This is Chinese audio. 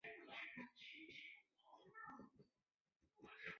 克利尔克里克县是美国科罗拉多州中北部的一个县。